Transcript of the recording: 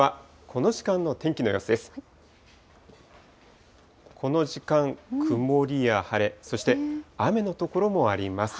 この時間、曇りや晴れ、そして雨の所もあります。